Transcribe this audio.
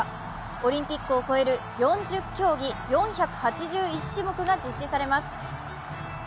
オリンピックを超える４０競技、４８１種目が実施されます。